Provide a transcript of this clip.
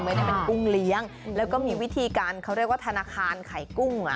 ไม่ได้เป็นกุ้งเลี้ยงแล้วก็มีวิธีการเขาเรียกว่าธนาคารไข่กุ้งอ่ะ